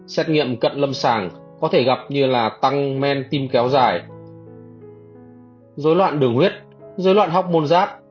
xét nghiệm cận lâm sàng có thể gặp như là tăng men tim kéo dài rối loạn đường huyết rối loạn học môn giáp